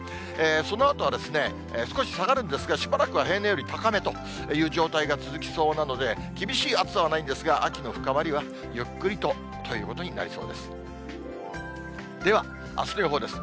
そのあとは少し下がるんですが、しばらくは平年より高めという状況が続きそうなので、厳しい暑さはないんですが、秋の深まりはゆっくりと、ということになりそうです。